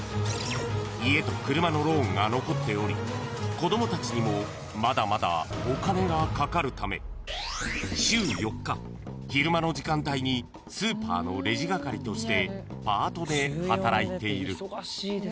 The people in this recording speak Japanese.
［子供たちにもまだまだお金がかかるため週４日昼間の時間帯にスーパーのレジ係としてパートで働いている］